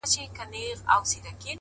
نه په زړه رازونه پخواني لري -